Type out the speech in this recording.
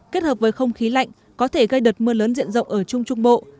kết hợp với không khí lạnh có thể gây đợt mưa lớn diện rộng ở trung trung bộ